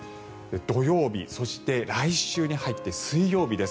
土曜日そして来週に入って水曜日です。